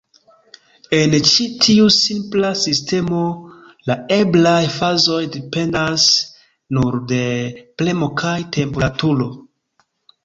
En ĉi tiu simpla sistemo, la eblaj fazoj dependas nur de premo kaj temperaturo.